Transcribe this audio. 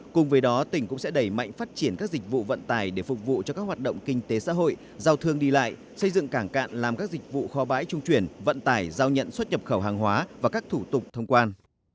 cùng với đó tỉnh cũng sẽ đẩy mạnh phát triển các dịch vụ vận tải để phục vụ cho các hoạt động kinh tế xã hội giao thương đi lại xây dựng cảng cạn làm các dịch vụ kho bãi trung chuyển vận tải giao nhận xuất nhập khẩu hàng hóa và các thủ tục thông quan